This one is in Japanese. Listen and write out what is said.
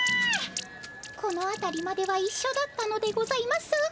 このあたりまではいっしょだったのでございますが。